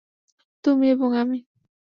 তুমি এবং আমি।